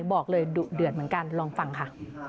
บอกเลยดุเดือดเหมือนกันลองฟังค่ะ